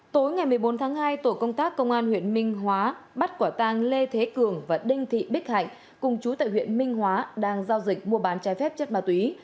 tối ngày một mươi bốn tháng hai tổ công tác công an huyện minh hóa bắt quả tang lê thế cường và đinh thị bích hạnh cùng chú tại huyện minh hóa đang giao dịch mua bán trái phép chất ma túy